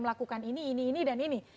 melakukan ini ini ini dan ini